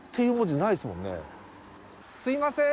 すいません！